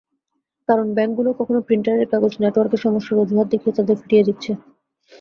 কারণ ব্যাংকগুলো কখনো প্রিন্টারের কাগজ, নেটওয়ার্ক সমস্যার অজুহাত দেখিয়ে তাঁদের ফিরিয়ে দিচ্ছে।